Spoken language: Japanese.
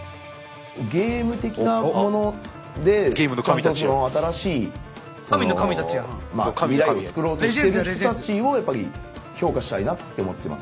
ゲーム的なものでちゃんとその新しい未来をつくろうとしてる人たちをやっぱり評価したいなって思ってますね。